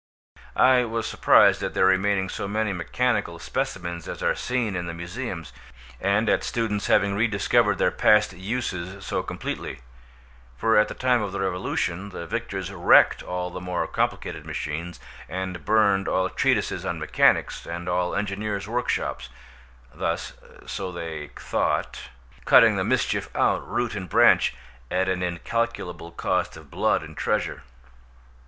I was surprised at there remaining so many mechanical specimens as are seen in the museums, and at students having rediscovered their past uses so completely; for at the time of the revolution the victors wrecked all the more complicated machines, and burned all treatises on mechanics, and all engineers' workshops—thus, so they thought, cutting the mischief out root and branch, at an incalculable cost of blood and treasure.